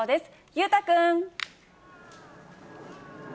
裕太君。